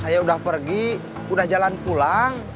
saya udah pergi udah jalan pulang